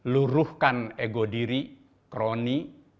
luruhkan ego diri kroni